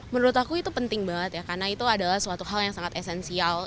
menurut aku itu penting banget ya karena itu adalah suatu hal yang sangat esensial